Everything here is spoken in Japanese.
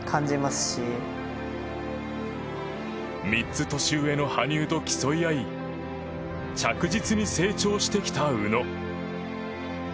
３つ年上の羽生と競い合い着実に成長してきた宇野。